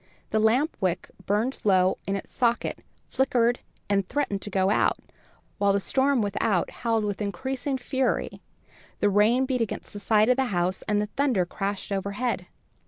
The lamp wick burned low in its socket, flickered and threatened to go out, while the storm without howled with increasing fury, the rain beat against the side of the house, and the thunder crashed overhead.